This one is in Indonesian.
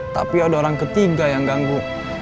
tapi ada orang ketiga yang ganggu